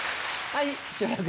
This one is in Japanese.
はい。